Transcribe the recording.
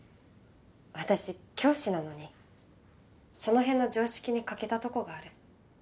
私教師なのにその辺の常識に欠けたとこがある。